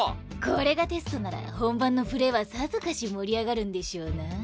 これがテストなら本番のプレーはさぞかし盛り上がるんでしょうな？